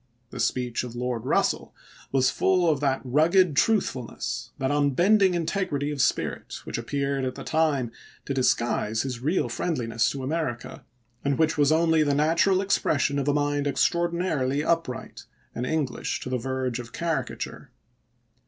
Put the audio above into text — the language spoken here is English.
The speech of Lord Eussell was full of that rugged truthfulness, that unbending integrity of spirit, which appeared at the time to disguise his real friendliness to America, and which was only the natural expression of a mind extraordinarily upright, and English to the verge of caricature.